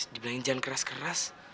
dibilangin jangan keras keras